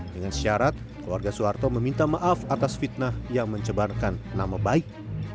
dengan syarat keluarga soeharto meminta maaf atas fitnah yang mencebarkan nama baik